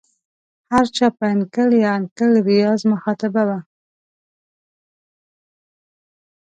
هر چا په انکل یا انکل ریاض مخاطبه وه.